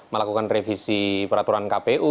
melakukan revisi peraturan kpu